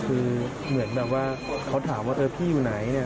คือเหมือนแบบว่าเขาถามว่าพี่อยู่ไหน